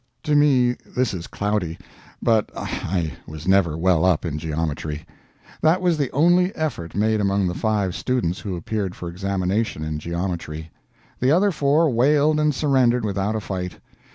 To me this is cloudy, but I was never well up in geometry. That was the only effort made among the five students who appeared for examination in geometry; the other four wailed and surrendered without a fight.